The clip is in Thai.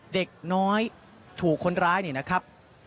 เด็กน้อยถูกคนร้ายเนี่ยนะครับ